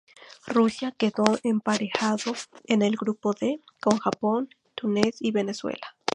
Rusia quedó emparejado en el grupo D con Japón, Túnez y Venezuela.